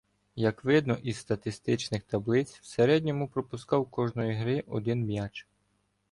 Як видно зі статистичних таблиць в середньому пропускав кожної гри один м'яч.